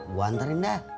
gue anterin dah